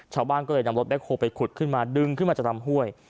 ชาวบ้านก็เลยนำรถแคคโฮลไปขุดขึ้นมาดึงขึ้นมาจากลำห้วย